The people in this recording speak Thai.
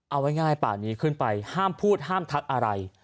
เอาง่ายป่านี้ขึ้นไปห้ามพูดห้ามทักอะไร